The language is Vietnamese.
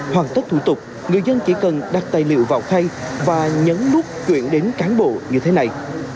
hoàn tất thủ tục người dân chỉ cần đặt tài liệu vào khay và nhấn nút chuyển đến cán bộ như thế này